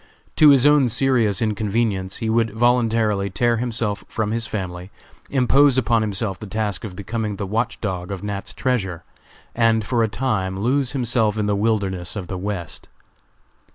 To his own serious inconvenience, he would voluntarily tear himself from his family, impose upon himself the task of becoming the watch dog of Nat.'s treasure, and for a time lose himself in the wilderness of the West.